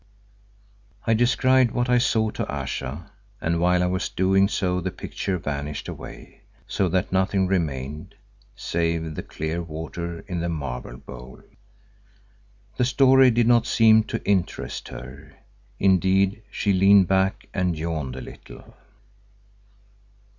I described what I saw to Ayesha, and while I was doing so the picture vanished away, so that nothing remained save the clear water in the marble bowl. The story did not seem to interest her; indeed, she leaned back and yawned a little.